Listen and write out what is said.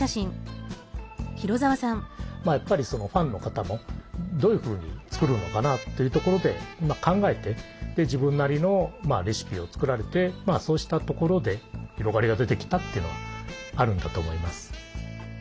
やっぱりそのファンの方もどういうふうに作るのかなっていうところで考えて自分なりのレシピを作られてそうしたところで広がりが出てきたっていうのはあるんだと思います。